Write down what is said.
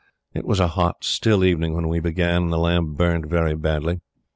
It was a hot, still evening when we began, and the lamp burned very badly.